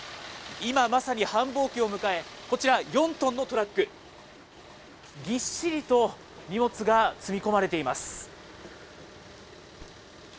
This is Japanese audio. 今、まさに繁忙期を迎え、こちら、４トンのトラック、ぎっしりと荷物が積み込まれています。